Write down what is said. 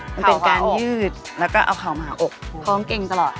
ห้ามเท้าติดพื้นพรุนมั้ยต้องเกงมาตลอด